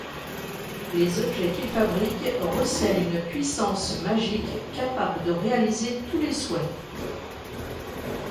Les objets qu’ils fabriquent recèlent une puissance magique capable de réaliser tous les souhaits.